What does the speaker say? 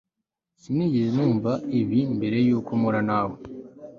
sinigeze numva ibi mbere yuko mpura nawe